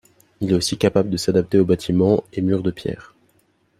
Il est aussi capable de s'adapter aux bâtiments et murs de pierres.